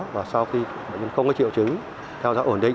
và sau khi bệnh nhân không có triệu chứng theo dõi ổn định